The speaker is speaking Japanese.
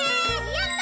やった！